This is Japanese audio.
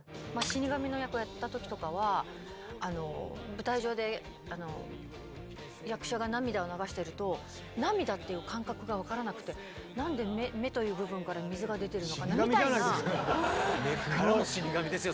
死神の役やった時とかは舞台上で役者が涙を流してると涙っていう感覚が分からなくてなんで目という部分から水が出てるのかなみたいな。